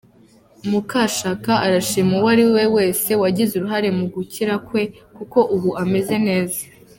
Mukashaka arashima uwari we wese wagize uruhare mu gukira kwe kuko ubu ameze neza.